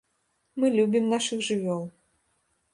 Мы любім нашых жывёл.